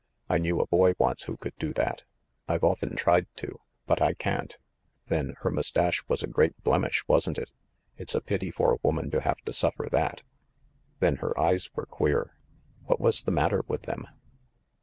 I knew a boy once who could do that. I've often tried to; but I can't. Then, her mustache was a great blemish, wasn't it? It's a pity for a woman to have to suffer that. Then, her eyes were queer. What was the mat ter with them?"